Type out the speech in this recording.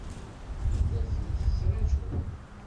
Tella tin i tettṛajuḍ?